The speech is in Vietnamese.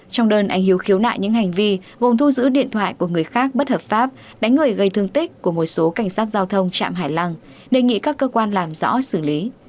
trong đơn anh hiếu khiếu nại những hành vi gồm thu giữ điện thoại của người khác bất hợp pháp đánh người gây thương tích của một số cảnh sát giao thông trạm hải lăng đề nghị các cơ quan làm rõ xử lý